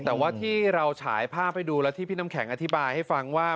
แต่ว่าที่เราฉายภาพให้ดูแล้วที่พี่น้ำแข็งอธิบายให้ฟังว่า